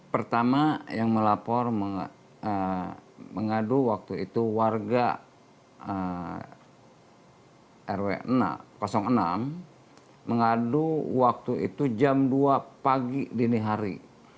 pertama yang melapor mengadu waktu itu warga rw enam mengadu waktu itu jam dua pagi dini hari